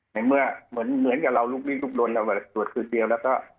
ในเมื่อเหมือนกับเราลุกลี่ลุกลนเราสวดคืนเดียวแล้วก็